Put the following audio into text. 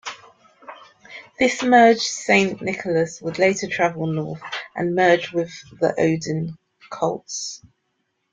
This merged Saint Nicholas would later travel north and merge with the Odin cults.